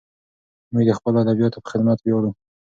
موږ د خپلو ادیبانو په خدمت ویاړو.